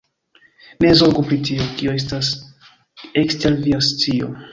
Ne zorgu pri tio, kio estas ekster via scio.